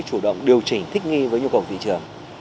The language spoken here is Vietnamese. chủ động điều chỉnh thích nghi với nhu cầu thị trường